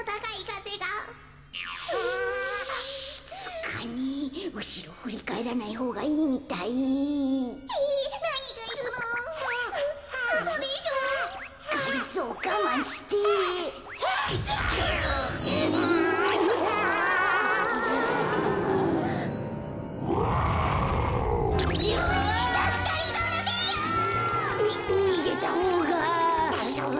だいじょうぶ？